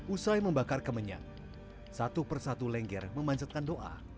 usai membakar kemenyan satu persatu lengger memanjatkan doa